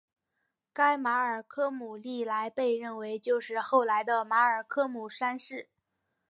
该马尔科姆历来被认为就是后来的马尔科姆三世。